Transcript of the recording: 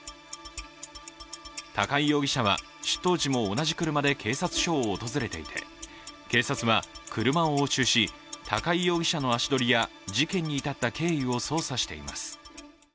高井容疑者は出頭時も同じ車で警察署を訪れていて警察は車を押収し、高井容疑者の足取りや事件に至った経緯を捜査しています。